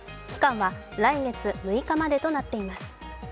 期間は来月６日までとなっています